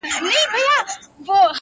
ویل ستوری دي د بخت پر ځلېدو سو -